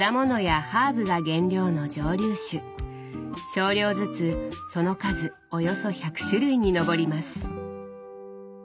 少量ずつその数およそ１００種類に上ります。